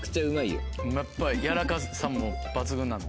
やっぱ軟らかさも抜群なの？